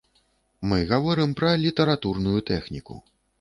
Мы гаворым пра літаратурную тэхніку.